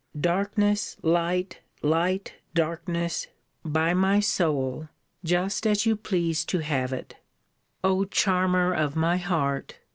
Darkness, light; light, darkness; by my soul; just as you please to have it. O charmer of my heart!